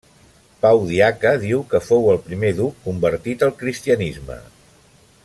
Pau Diaca diu que fou el primer duc convertit al cristianisme.